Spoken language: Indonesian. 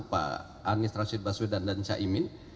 pak anies rashid baswedan dan caimin